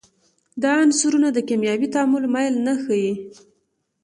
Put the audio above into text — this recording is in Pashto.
دا عنصرونه د کیمیاوي تعامل میل نه ښیي.